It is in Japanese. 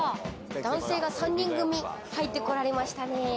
男性が３人組、入ってこられましたね。